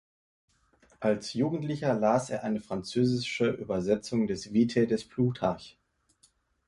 Als Jugendlicher las er eine französische Übersetzung der Vitae des Plutarch.